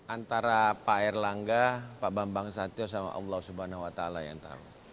antara pak erlangga pak bambang satyo sama allah swt yang tahu